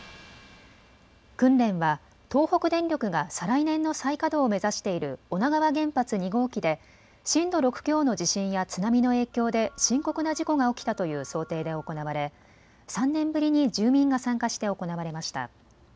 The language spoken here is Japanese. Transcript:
訓練は東北電力が再来年の再稼働を目指している女川原発２号機で震度６強の地震や津波の影響で深刻な事故が起きたという想定で行われ３年ぶりに住民が参加して行われました。